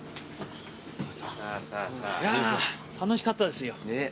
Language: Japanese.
楽しかったですよ。